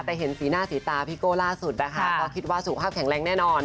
แต่เห็นสีหน้าสีตาพี่โก้ล่าสุดนะคะก็คิดว่าสุขภาพแข็งแรงแน่นอน